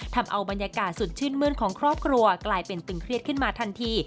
ทำเอาบรรยากาศสุดชื่นมื้นของครอบครัวกลายเป็นตึงเครียดขึ้นมาทันที